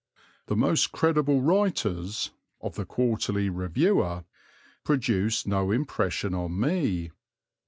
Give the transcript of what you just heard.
"The most credible writers" of the Quarterly Reviewer produce no impression on me.